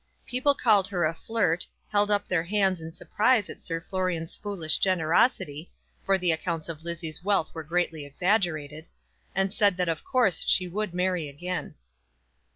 People called her a flirt, held up their hands in surprise at Sir Florian's foolish generosity, for the accounts of Lizzie's wealth were greatly exaggerated, and said that of course she would marry again.